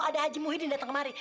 ada haji muhyidin datang kemari